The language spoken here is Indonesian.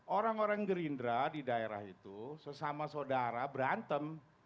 orang orang gerindra di daerah itu sesama saudara berantem